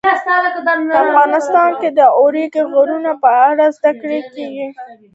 افغانستان کې د اوږده غرونه په اړه زده کړه کېږي.